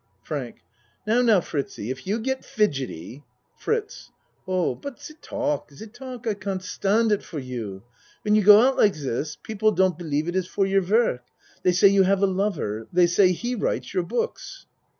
FRANK Now now Fritzie if you get fid gety FRITZ Oh but de talk de talk I can't stand it for you. When you go out like dis people don't believe it is for your work. They say you have a lover they say he writes your books.